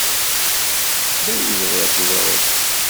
D awezɣi ad teẓreḍ.